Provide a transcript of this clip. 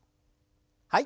はい。